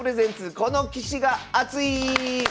この棋士がアツい」。